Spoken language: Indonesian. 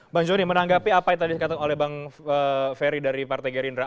bang jony menanggapi apa yang tadi katakan bang ferry dari partai gerindra